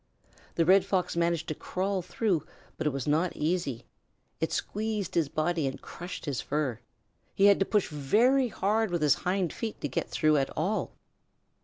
The Red Fox managed to crawl though, but it was not easy. It squeezed his body and crushed his fur. He had to push very hard with his hind feet to get through at all.